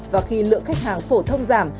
và khi lượng khách hàng phổ thông giảm